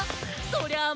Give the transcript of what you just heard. そりゃあ